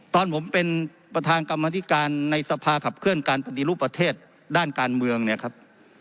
ตอนผมเป็นประธานกรรมธิการในสภาขับเคลื่อนการปฏิรูปประเทศด้านการเมืองเนี่ยครับ